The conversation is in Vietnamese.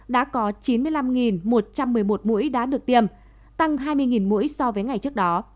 đã có chín mươi năm một trăm một mươi một mũi đã được tiêm tăng hai mươi mũi so với ngày trước đó